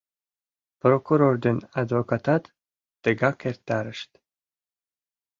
Прокурор ден адвокатат тыгак эртарышт.